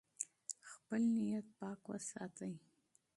خپل نیت پاک وساتئ.